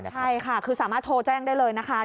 ใช่ค่ะคือสามารถโทรแจ้งได้เลยนะคะ